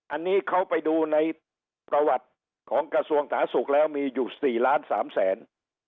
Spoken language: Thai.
อันนี้เขาไปดูในประวัติของกระทรวงสาธารณสุขแล้วมีอยู่๔ล้าน๓แสน